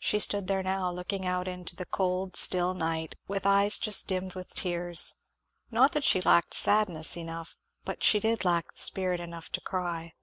She stood there now, looking out into the cold still night, with eyes just dimmed with tears not that she lacked sadness enough, but she did lack spirit enough to cry.